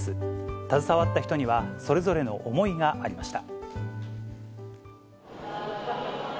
携わった人には、それぞれの思いがありました。